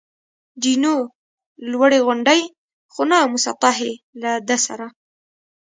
جینو: لوړې غونډۍ، خو نه مسطحې، له ده سره.